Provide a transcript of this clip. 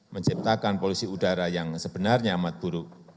menciptakan polusi udara yang sebenarnya amat buruk